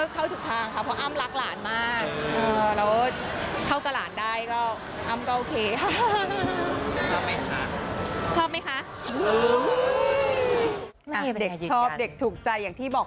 เข้าถูกทางครับเพราะอ้ำรักหลานมาก